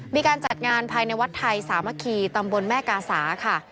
มีการจัดงานภายในวัดไทยสามัคคีตำบลแม่กาสาค่ะ